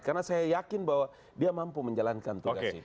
karena saya yakin bahwa dia mampu menjalankan tugas itu